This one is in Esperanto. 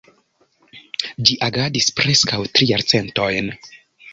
Ĝi agadis preskaŭ tri jarcentojn.